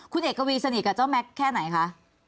คุณเอกวีสนิทกับเจ้าแม็กซ์แค่ไหนคะ